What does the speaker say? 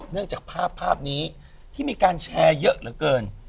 จากภาพภาพนี้ที่มีการแชร์เยอะเหลือเกิน